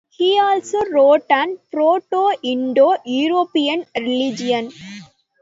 He also wrote on Proto-Indo-European religion.